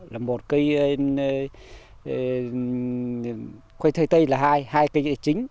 là một cây quay thay tay là hai hai cây chính